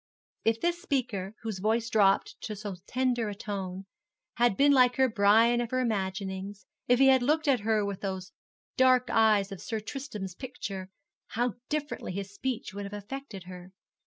If this speaker, whose voice dropped to so tender a tone, had been like the Brian of her imaginings if he had looked at her with the dark eyes of Sir Tristram's picture, how differently his speech would have affected her!